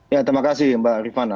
ya terima kasih mbak rifana